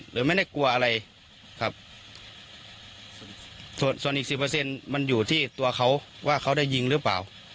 โดยไม่ได้กลัวอะไรครับส่วนส่วนอีกสิบเปอร์เซ็นต์มันอยู่ที่ตัวเขาว่าเขาได้ยิงหรือเปล่า